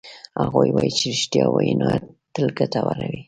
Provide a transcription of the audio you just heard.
هغوی وایي چې ریښتیا وینا تل ګټوره وی